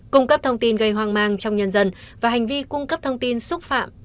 cung cấp thông tin gây hoang mang trong nhân dân và hành vi cung cấp thông tin xúc phạm